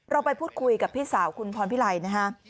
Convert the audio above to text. เราไปพูดคุยกับพี่สาวคุณพรพิไลนะฮะ